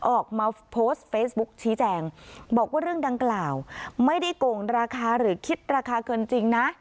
ออกมาโพสต์เฟซบุ๊กชี้แจงบอกว่าเรื่องดังกล่าวไม่ได้โกงราคาหรือคิดราคาเกินจริงนะ